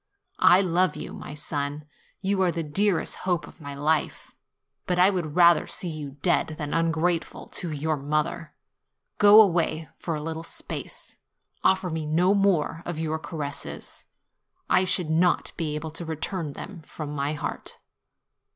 I love you, my son; you are the dearest hope of my life; 34 NOVEMBER but I would rather see you dead than ungrateful to your mother. Go away, for a little space; offer me no more of your caresses ; I should not be able to return them from my heart.